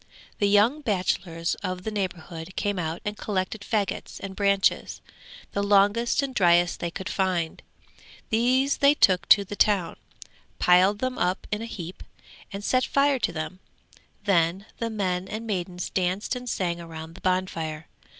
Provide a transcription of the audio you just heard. The young bachelors of the neighbourhood came out and collected faggots and branches, the longest and driest they could find. These they took to the town, piled them up in a heap, and set fire to them; then the men and maidens danced and sang round the bonfire.